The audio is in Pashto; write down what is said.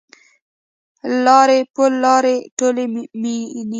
لارې پل لارې ټولي میینې